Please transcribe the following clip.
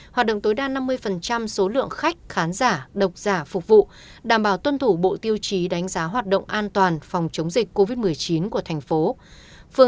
hoạt động tối đa năm mươi số lượng khách khán giả độc giả phục vụ hoạt động cụ thể theo hướng dẫn của sở văn hóa và thủ đô